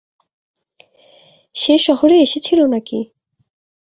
সে শহরে এসেছিল নাকি?